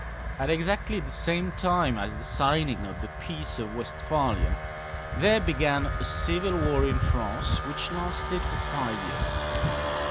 At exactly the same time as the signing of the Peace of Westphalia there began a civil war in France, which lasted for five years.